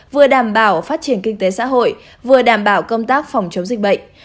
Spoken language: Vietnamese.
vừa đảm bảo phát triển kinh tế xã hội vừa đảm bảo công tác phòng chống dịch bệnh